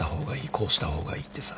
こうした方がいいってさ。